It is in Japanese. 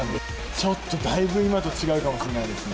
ちょっとだいぶ今と違うかもしれないですね。